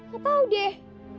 gak tau deh